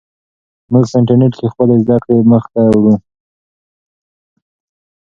موږ په انټرنیټ کې خپلې زده کړې مخ ته وړو.